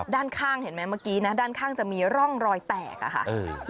ด้านข้างเห็นไหมเมื่อกี้นะด้านข้างจะมีร่องรอยแตกอะค่ะ